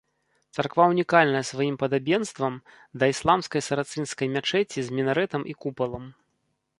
Царква ўнікальная сваім падабенствам да ісламскай сарацынскай мячэці з мінарэтам і купалам.